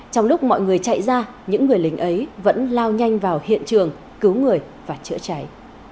trong lúc mọi người chạy ra những người lính ấy vẫn lao nhanh vào hiện trường cứu người và chữa cháy